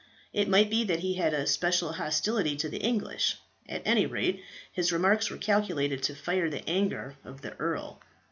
It might be that he had a special hostility to the English. At any rate, his remarks were calculated to fire the anger of the earl.